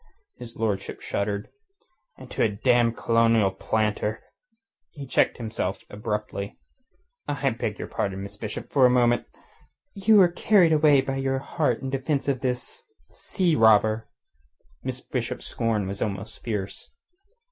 Ugh!" His lordship shuddered. "And to a damned colonial planter!" He checked abruptly. "I beg your pardon, Miss Bishop. For the moment...." "You were carried away by your heat in defence of this... sea robber." Miss Bishop's scorn was almost fierce.